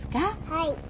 はい。